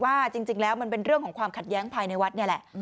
ว่าจริงแล้วมันเป็นเรื่องของความขัดแย้งภายในวัดนี่แหละ